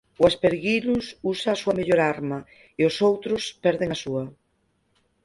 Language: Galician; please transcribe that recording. O aspergillus usa a súa mellor arma, e os outros perden a súa.